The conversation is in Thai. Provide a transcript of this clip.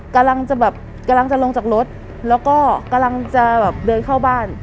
กำลังจะแบบกำลังจะลงจากรถแล้วก็กำลังจะแบบเดินเข้าบ้าน